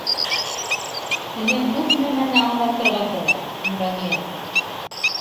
Һиңә күп нәмәне аңлатырға кәрәк, Нурания.